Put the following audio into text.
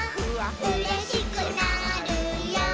「うれしくなるよ」